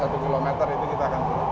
itu kita akan keluar